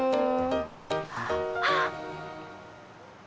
あっ！